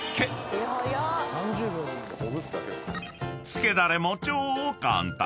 ［つけだれも超簡単］